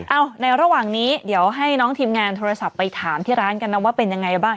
ในระหว่างนี้เดี๋ยวให้น้องทีมงานโทรศัพท์ไปถามที่ร้านกันนะว่าเป็นยังไงบ้าง